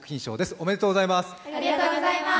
おめでとうございます。